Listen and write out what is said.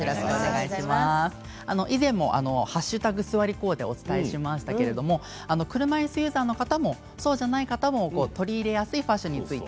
以前も＃すわりコーデをお伝えしましたけれども車いすユーザーの方もそうじゃない方も取り入れやすいファッションについて。